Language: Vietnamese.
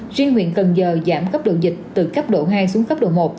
riêng huyện cần giờ giảm cấp độ dịch từ cấp độ hai xuống cấp độ một